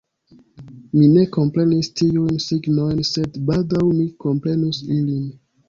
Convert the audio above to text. Mi ne komprenis tiujn signojn, sed baldaŭ mi komprenus ilin.